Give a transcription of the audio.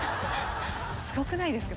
「すごくないですか？